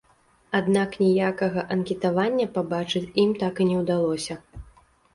Аднак ніякага анкетавання пабачыць ім так і не ўдалося.